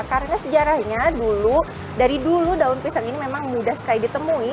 karena sejarahnya dulu dari dulu daun pisang ini memang mudah sekali ditemui